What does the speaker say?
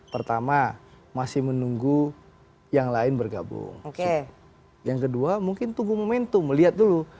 pertama masih menunggu yang lain bergabung yang kedua mungkin tunggu momentum melihat dulu